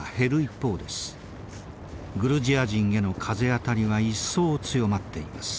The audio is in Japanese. グルジア人への風当たりは一層強まっています。